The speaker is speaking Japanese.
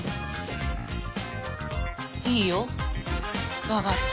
いいよわがった。